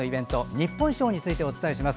日本賞についてお伝えします。